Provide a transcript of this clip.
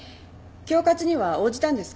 恐喝には応じたんですか？